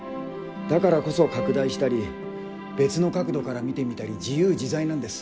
だからこそ拡大したり別の角度から見てみたり自由自在なんです。